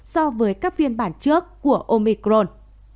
so với các phiên bản trước của omicron